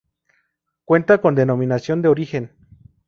Cuenta con Denominación de Origen.